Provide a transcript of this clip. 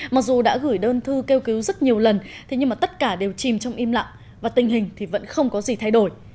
mặc dù đã gửi đơn thư kêu cứu rất nhiều lần nhưng mà tất cả đều chìm trong im lặng và tình hình thì vẫn không có gì thay đổi